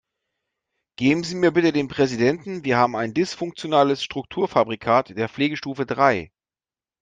Geben Sie mir bitte den Präsidenten, wir haben ein dysfunktionales Strukturfabrikat der Pflegestufe drei.